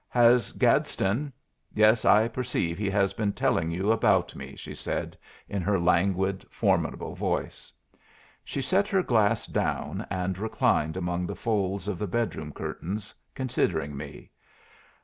"Has Gadsden yes, I perceive he has been telling about me," she said, in her languid, formidable voice. She set her glass down and reclined among the folds of the bedroom curtains, considering me.